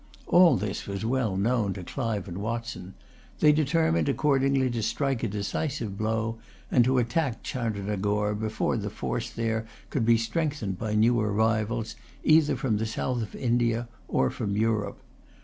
All this was well known to Clive and Watson. They determined accordingly to strike a decisive blow, and to attack Chandernagore, before the force there could be strengthened by new arrivals, either from the south of India, or from Europe.